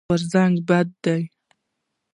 غورځنګ بد دی.